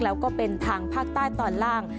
แล้วก็เป็นทางภาคใต้ตอนล่าง